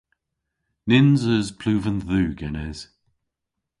Nyns eus pluven dhu genes.